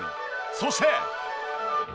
そして。